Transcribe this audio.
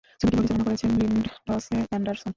ছবিটি পরিচালনা করেছেন লিন্ডসে এন্ডারসন।